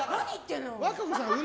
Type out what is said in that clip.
和歌子さん